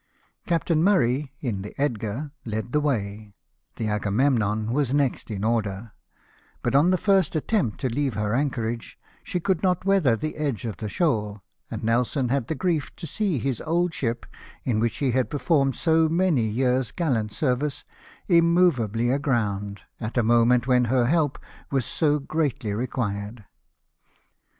Captain Murray, in the Edgar, led the way; the Agamemnon was next in order, but, on the first attempt to leave her anchorage, she could not weather the edge of the shoal, and Nelson had the grief to see his old ship, in which he had performed so many years' gallant services, immovably aground, at a moment when her help was so greatly required.